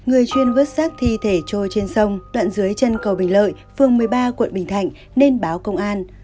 người chuyên vớt xác thi thể trôi trên sông đoạn dưới chân cầu bình lợi phường một mươi ba quận bình thạnh nên báo công an